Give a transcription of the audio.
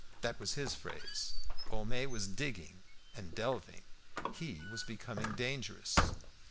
That was his phrase. Homais was digging and delving; he was becoming dangerous.